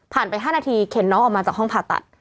ไป๕นาทีเข็นน้องออกมาจากห้องผ่าตัด